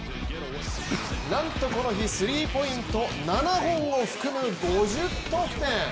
なんとこの日、スリーポイント７本を含む５０得点。